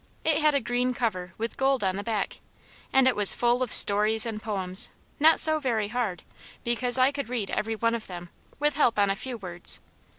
It had a green cover with gold on the back, and it was full of stories and poems, not so very hard, because I could read every one of them, with help on a few words.